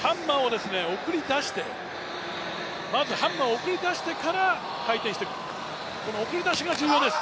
まずハンマーを送り出してから回転していく、この送り出しが重要です。